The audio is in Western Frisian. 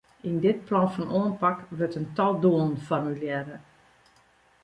Yn dit plan fan oanpak wurdt in tal doelen formulearre.